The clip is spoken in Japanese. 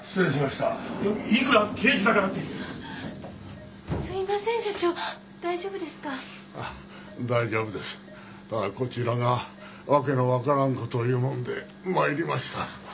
ただこちらがわけのわからん事を言うもんで参りました。